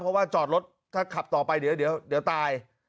เพราะว่าจอดรถถ้าขับต่อไปเดี๋ยวเดี๋ยวเดี๋ยวตาย